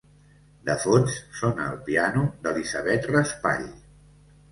De fons sona el piano d'Elisabet Raspall.